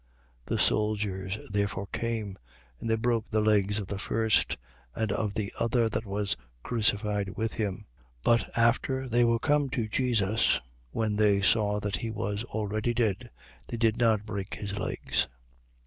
19:32. The soldiers therefore came: and they broke the legs of the first, and of the other that was crucified with him. 19:33. But after they were come to Jesus, when they saw that he was already dead, they did not break his legs.